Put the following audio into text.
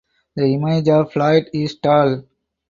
The image of Floyd is tall.